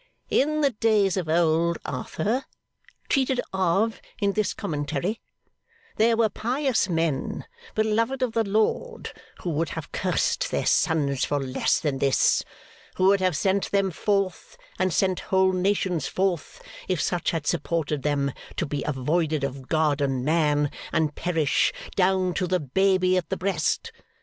'In the days of old, Arthur, treated of in this commentary, there were pious men, beloved of the Lord, who would have cursed their sons for less than this: who would have sent them forth, and sent whole nations forth, if such had supported them, to be avoided of God and man, and perish, down to the baby at the breast.